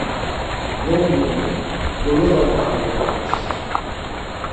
Gomdunare, dolovantxare t̆obas.